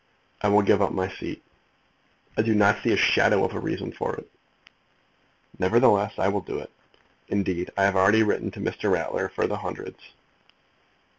"I will give up my seat." "I do not see a shadow of a reason for it." "Nevertheless I will do it. Indeed, I have already written to Mr. Ratler for the Hundreds.